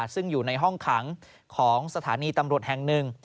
ซึ่งอยู่ในห้องขังของสถานีตำรวจแห่งหนึ่ง